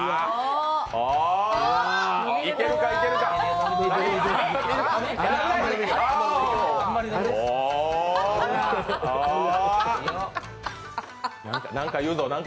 いけるか、いけるか？